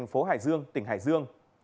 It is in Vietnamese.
phố hải dương tỉnh hải dương